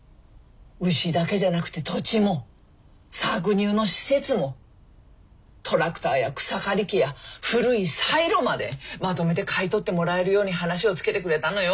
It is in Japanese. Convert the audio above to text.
牛だけじゃなくて土地も搾乳の施設もトラクターや草刈り機や古いサイロまでまとめて買い取ってもらえるように話をつけてくれたのよ